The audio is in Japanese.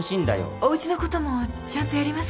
おウチのこともちゃんとやりますから。